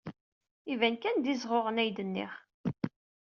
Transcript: Iban kan d izɣuɣen, ay d-nniɣ.